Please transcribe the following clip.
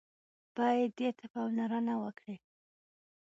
بايد دې ته پاملرنه وکړي.